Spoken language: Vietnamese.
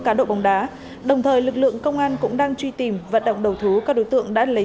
cá độ bóng đá đồng thời lực lượng công an cũng đang truy tìm vận động đầu thú các đối tượng đã lấy